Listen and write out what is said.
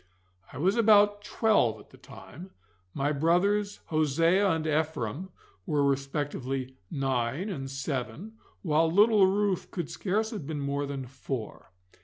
I was about twelve at the time, my brothers Hosea and Ephraim were respectively nine and seven, while little Ruth could scarce have been more than four.